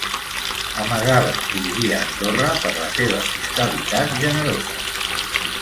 Amagava que vivia a Andorra per la seva fiscalitat generosa.